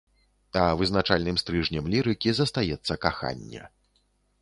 А вызначальным стрыжнем лірыкі застаецца каханне.